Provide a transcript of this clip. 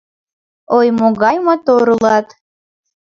Ой, могай мотор улат!